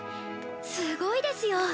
すごいですよ。